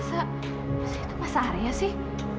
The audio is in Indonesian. masa itu masa arya sih